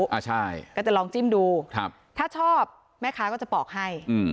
ก็จะลองจิ้มดูถ้าชอบแม่ค้าก็จะปอกให้